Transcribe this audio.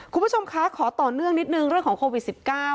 คุณผู้ชมคะขอต่อเนื่องนิดนึงเรื่องของโควิด๑๙